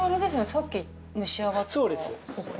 さっき蒸し上がったお米。